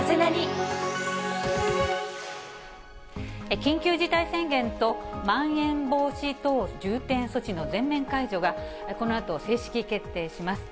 緊急事態宣言とまん延防止等重点措置の全面解除がこのあと正式決定します。